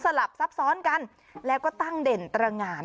ลับซับซ้อนกันแล้วก็ตั้งเด่นตรงาน